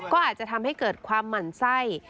ก็อาจจะทำให้เกิดความหมั่นไส้